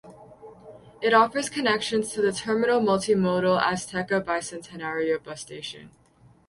It offers connections to the "Terminal Multimodal Azteca Bicentenario" bus station.